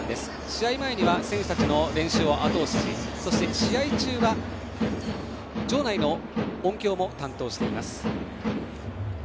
試合前には選手たちの練習をあと押ししそして試合中は場内の音響も担当しています。